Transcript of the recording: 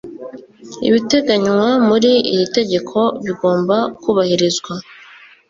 Ibiteganywa muri iri tegeko bigomba kubahirizwa